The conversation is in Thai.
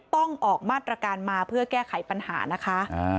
ต้องออกมาตรการมาเพื่อแก้ไขปัญหานะคะ